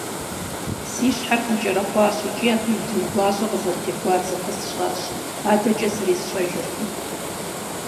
Си щхьэр къэкӀэрэхъуащ икӀи абы удын гуащӀэ къызэрытехуар зыхэсщӀащ, адэкӀэ зыри сщӀэжыркъым…